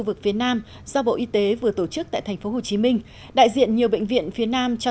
vực phía nam do bộ y tế vừa tổ chức tại thành phố hồ chí minh đại diện nhiều bệnh viện phía nam cho